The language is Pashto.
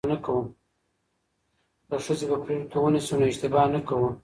که ښځې په پریکړو کې ونیسو نو اشتباه نه کوو.